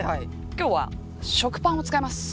今日は食パンを使います。